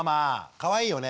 かわいいよね